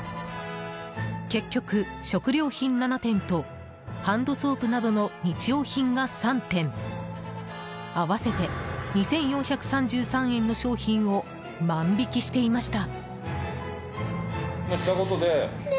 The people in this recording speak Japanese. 結局、食料品７点とハンドソープなどの日用品が３点合わせて２４３３円の商品を万引きしていました。